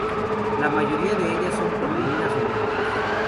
La mayoría de ellas son proteínas o lípidos.